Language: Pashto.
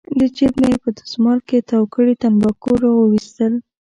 له جېب نه یې په دستمال کې تاو کړي تنباکو راوویستل.